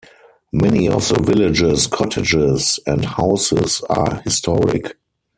Many of the village's cottages and houses are historic.